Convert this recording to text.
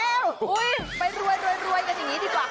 ไปรวยกันอย่างนี้ดีกว่า